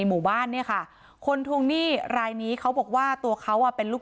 หมู่บ้านเนี่ยค่ะคนทวงหนี้รายนี้เขาบอกว่าตัวเขาอ่ะเป็นลูก